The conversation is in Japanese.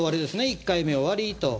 １回目、終わりと。